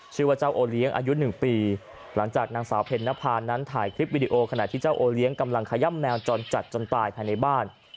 ชื่อว่าเจ้าโอเลี้ยงอายุ๑ปีหลังจากนางสาวเพ็ญนภานั้นถ่ายคลิปวิดีโอขณะที่เจ้าโอเลี้ยงกำลังขย่ำแมวจรจัดจนตายภายในบ้าน